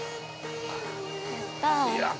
やったぁ。